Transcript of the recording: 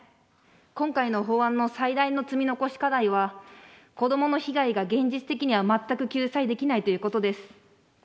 今回の法案の最大の積み残し課題は、子どもの被害が現実的には全く救済できないということです。